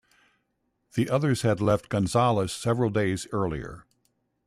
The others had left Gonzales several days earlier.